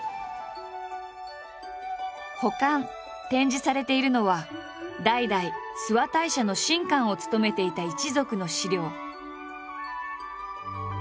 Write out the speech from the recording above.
保管展示されているのは代々諏訪大社の神官を務めていた一族の史料。